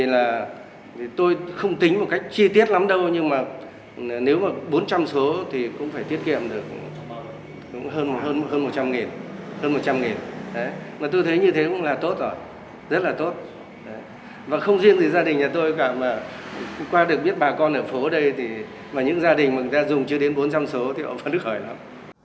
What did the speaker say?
những gia đình mà người ta dùng chưa đến bốn trăm linh số thì họ vẫn đứt khởi lắm